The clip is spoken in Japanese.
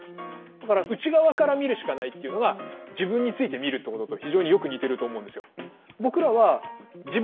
だから内側から見るしかないっていうのが自分について見るってことと非常によく似てると思うんですよ。